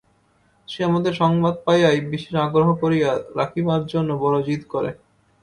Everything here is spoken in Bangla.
সে আমাদের সংবাদ পাইয়াই বিশেষ আগ্রহ করিয়া রাখিবার জন্য বড় জিদ করে।